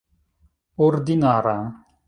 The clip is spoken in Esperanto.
ordinara